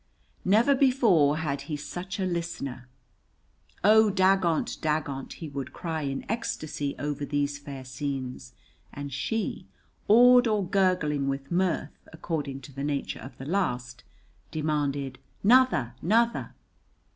Never before had he such a listener. "Oh, dagont, dagont!" he would cry in ecstasy over these fair scenes, and she, awed or gurgling with mirth according to the nature of the last, demanded "'Nother, 'nother!"